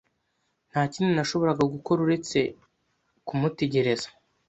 Nta kindi nashoboraga gukora uretse kumutegereza